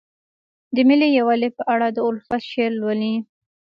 د ملي یووالي په اړه د الفت شعر لولئ.